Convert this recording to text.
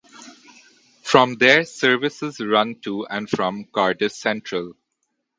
From there services run to and from Cardiff Central.